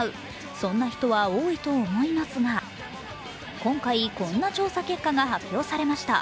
そんな人は多いと思いますが今回、こんな調査結果が発表されました。